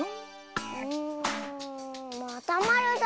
うん。またまるだ。